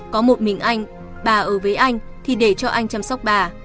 có một mình anh bà ở với anh thì để cho anh chăm sóc bà